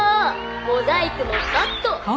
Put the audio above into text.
モザイクもカット！」